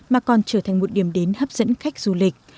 mà còn trở thành một điểm đến hấp dẫn khách du lịch